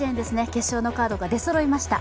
決勝のカードが出そろいました。